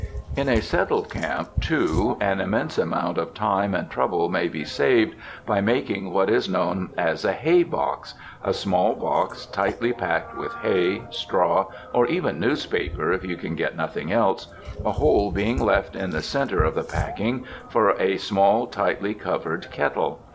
In a settled camp, too, an immense amount of time and trouble may be saved by making what is known as a hay box — a small box tightly packed with hay, straw or even newspaper if you can get nothing else, a hole being left in the center of the packing for a small, tightly covered kettle.